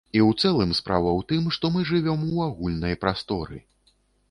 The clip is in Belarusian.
І ў цэлым справа ў тым, што мы жывём у агульнай прасторы.